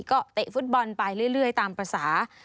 ก็เตะฟุตบอลไปเรื่อยตามภาษา